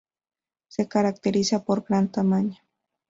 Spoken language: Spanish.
Se caracteriza por su gran tamaño.